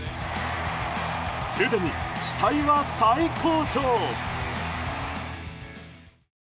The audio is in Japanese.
すでに期待は最高潮！